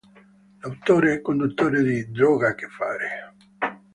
È autore e conduttore di "Droga che Fare".